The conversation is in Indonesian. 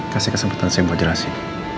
kasih kesempatan saya buat jelasin